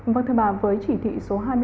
vâng thưa bà với chỉ thị số hai mươi bốn